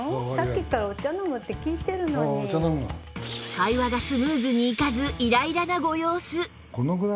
会話がスムーズにいかずイライラなご様子